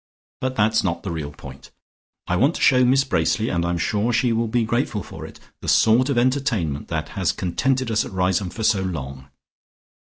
But that's not the real point. I want to show Miss Bracely, and I'm sure she will be grateful for it, the sort of entertainment that has contented us at Riseholme for so long.